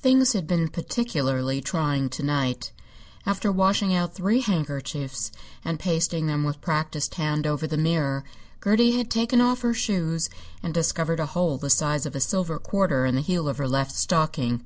Things had been particularly trying to night. After washing out three handkerchiefs and pasting them with practised hand over the mirror, Gertie had taken off her shoes and discovered a hole the size of a silver quarter in the heel of her left stocking.